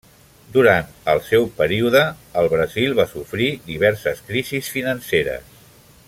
Durant el seu període el Brasil va sofrir diverses crisis financeres.